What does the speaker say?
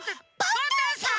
パンタンさん！